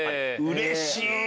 うれしい！